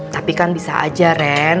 tapi kan bisa aja ren